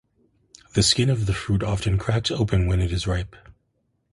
The skin of the fruit often cracks when it is ripe.